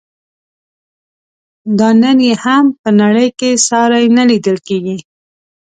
دا نن یې هم په نړۍ کې ساری نه لیدل کیږي.